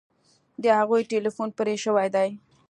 د هغوی ټیلیفون پرې شوی دی